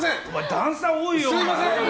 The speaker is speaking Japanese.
段差、多いよお前！